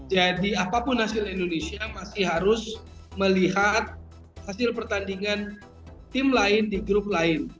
jadi apapun hasil indonesia masih harus melihat hasil pertandingan tim lain di grup lain